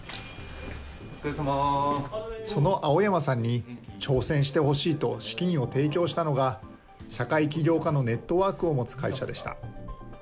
その青山さんに、挑戦してほしいと資金を提供したのが、社会起業家のネットワークを持つ会社でした。